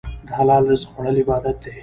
د حلال رزق خوړل عبادت دی.